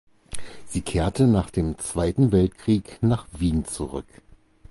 Sie kehrte nach dem Zweiten Weltkrieg nach Wien zurück.